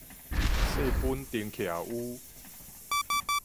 細本燈徛 u